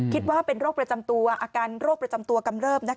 คิดว่าเป็นโรคประจำตัวอาการโรคประจำตัวกำเริบ